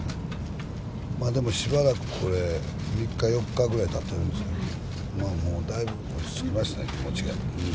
でもしばらくこれ、３日、４日ぐらいたってるんですけど、まあもう、だいぶ落ち着きましたね、気持ちが。